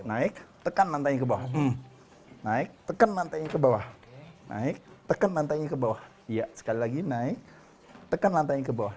naik tekan lantainya ke bawah naik tekan lantainya ke bawah naik tekan lantainya ke bawah ya sekali lagi naik tekan lantainya ke bawah